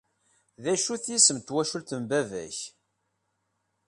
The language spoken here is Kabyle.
D acu-t yisem n twacult n baba-k?